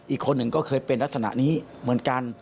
อีกคนหนึ่งก็เคยเป็นลักษณะนี้เหมือนกัน